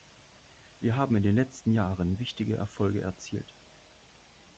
Wir haben in den letzten Jahren wichtige Erfolge erzielt.